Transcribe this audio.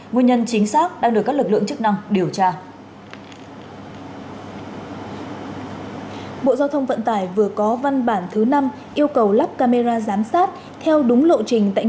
nguyên nhân chính xác đang được các lực lượng chức năng điều tra